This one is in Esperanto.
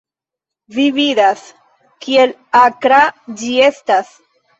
Vi vidas, kiel akra ĝi eŝtas?